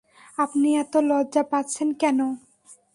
আপনি এত লজ্জা পাচ্ছেন কেন?